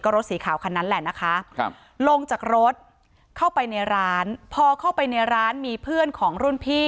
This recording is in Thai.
รถสีขาวคันนั้นแหละนะคะลงจากรถเข้าไปในร้านพอเข้าไปในร้านมีเพื่อนของรุ่นพี่